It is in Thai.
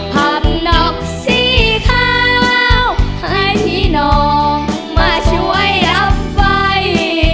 ทำนอกสีขาวให้พี่น้องมาช่วยรับไฟ